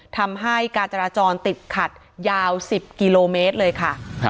ทำให้การจราจรติดขัดยาว๑๐กิโลเมตรเลยค่ะ